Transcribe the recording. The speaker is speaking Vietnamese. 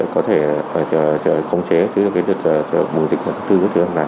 có thể công chế được bùi dịch tư giới thường này